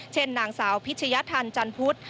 เช่นนางสาวพิชยธรรมจันทร์พุธ